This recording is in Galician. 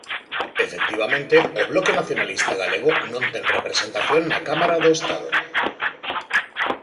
Efectivamente, o Bloque Nacionalista Galego non ten representación na Cámara do Estado.